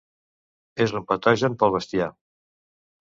És un patogen pel bestiar.